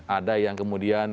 ada yang kemudian